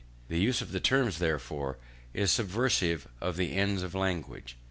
This use of the terms, therefore, is subversive of the ends of language.